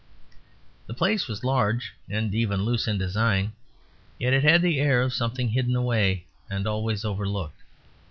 The place was large and even loose in design, yet it had the air of something hidden away and always overlooked.